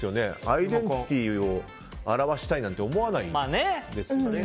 アイデンティティーを表したいなんて思わないですよね。